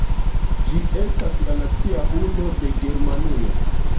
Ĝi estas la nacia hundo de Germanujo.